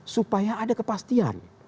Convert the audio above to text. supaya ada kepastian